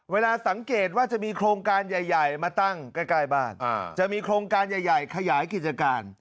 เวลาสังเกตว่าจะมีโครงการใหญ่มาตั้งใกล้บ้านจะมีโครงการใหญ่ขยายกิจการ